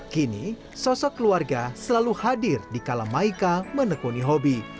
kini sosok keluarga selalu hadir di kala maika menekuni hobi